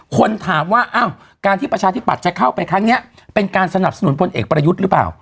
คนถามว่าอ้าวการที่ประชาธิปัตย์จะเข้าไปครั้งนี้เป็นการสนับสนุนพลเอกประยุทธ์หรือเปล่า